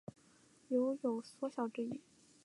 酉有缩小之意。